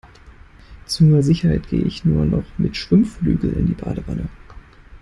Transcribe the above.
Zur Sicherheit gehe ich nur noch mit Schwimmflügeln in die Badewanne.